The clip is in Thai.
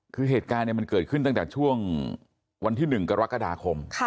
คือเหตุการณ์มันเกิดขึ้นตั้งแต่ช่วงวันที่๑กรกฎาคม